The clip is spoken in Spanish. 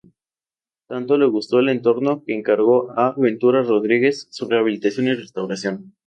Tanto le gustó el entorno, que encargó a Ventura Rodríguez su rehabilitación y restauración.